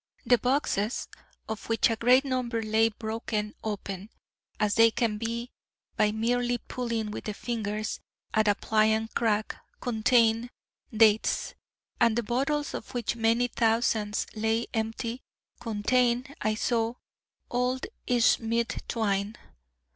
The boxes, of which a great number lay broken open, as they can be by merely pulling with the fingers at a pliant crack, contain dates; and the bottles, of which many thousands lay empty, contain, I saw, old Ismidtwine.